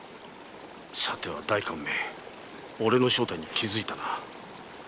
さては代官め俺の正体に気づいたな